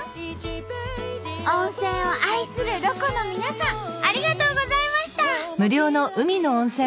温泉を愛するロコの皆さんありがとうございました！